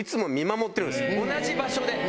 同じ場所で。